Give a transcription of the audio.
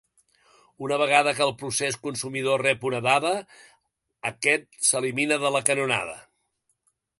Una vegada que el procés consumidor rep una dada, aquest s'elimina de la canonada.